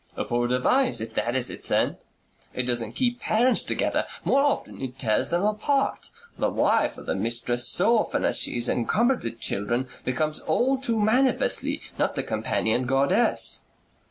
"A poor device, if that is its end. It doesn't keep parents together; more often it tears them apart. The wife or the mistress, so soon as she is encumbered with children, becomes all too manifestly not the companion goddess...."